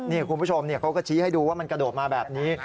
นี่คุณผู้ชมเขาก็ชี้ให้ดูว่ามันกระโดดมาแบบนี้